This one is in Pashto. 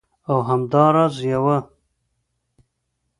او همدا راز یوه